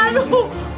ibu kenapa bu